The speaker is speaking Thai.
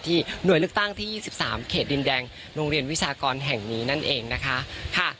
หน่วยเลือกตั้งที่๒๓เขตดินแดงโรงเรียนวิชากรแห่งนี้นั่นเองนะคะ